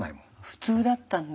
普通だったんだ。